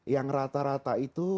yang rata rata itu